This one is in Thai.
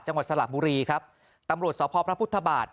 จังหวัดสละบุรีตำรวจสอบพ่อพระพุทธบาท